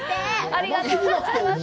ありがとうございます。